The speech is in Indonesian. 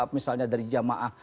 misalnya dari jamaah